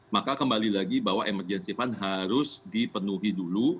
maka kembali lagi bahwa emergency fund harus dipenuhi dulu